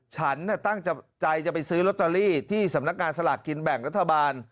ฉันตั้งใจจะไปซื้อลอตเตอรี่ที่สำนักงานสลากกินแบ่งรัฐบาล